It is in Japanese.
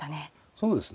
そうですね。